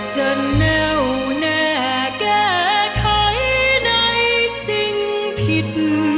แน่วแน่แก้ไขในสิ่งผิด